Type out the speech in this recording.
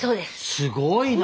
すごいな。